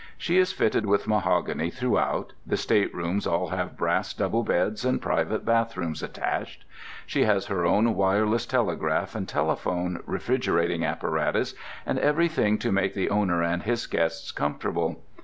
She is fitted with mahogany throughout; the staterooms all have brass double beds and private bathrooms attached; she has her own wireless telegraph and telephone, refrigerating apparatus, and everything to make the owner and his guests comfortable.